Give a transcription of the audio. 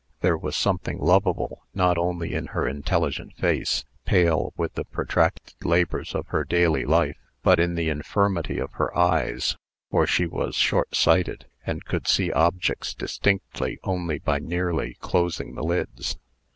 There was something lovable not only in her intelligent face, pale with the protracted labors of her daily life, but in the infirmity of her eyes, for she was shortsighted, and could see objects distinctly only by nearly closing the lids.